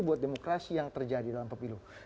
buat demokrasi yang terjadi dalam pemilu